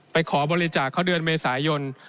ขอบริจาคเขาเดือนเมษายน